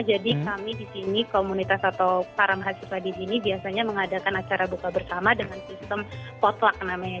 jadi kami di sini komunitas atau para mahasiswa di sini biasanya mengadakan acara buka bersama dengan sistem potlak namanya